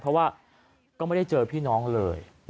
เพราะว่าก็ไม่ได้เจอพี่น้องเลย